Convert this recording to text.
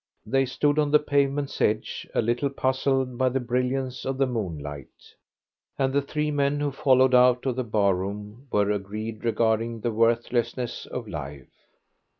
They stood on the pavement's edge, a little puzzled by the brilliancy of the moonlight. And the three men who followed out of the bar room were agreed regarding the worthlessness of life.